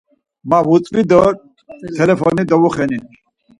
Ma vutzvi da, t̆elefoni dovuxeni.